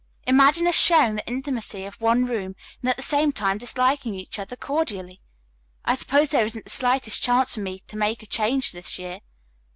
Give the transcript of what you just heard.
Imagine us sharing the intimacy of one room, and at the same time disliking each other cordially. I suppose there isn't the slightest chance for me to make a change this year.